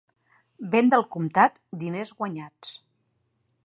Venda al comptat, diners guanyats.